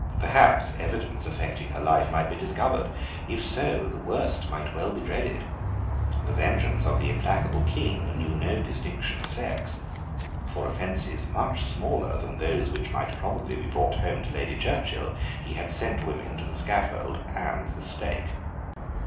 Perhaps evidence affecting her life might be discovered. If so the worst might well be dreaded. The vengeance of the implacable King knew no distinction of sex. For offences much smaller than those which might probably be brought home to Lady Churchill he had sent women to the scaffold and the stake.